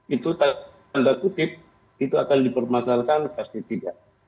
itu tak ada kutip itu akan dipermasalkan pasti tidak